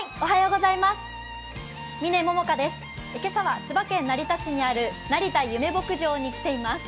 今朝は千葉県成田市にある成田ゆめ牧場に来ています。